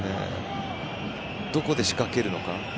どこで仕掛けるのか。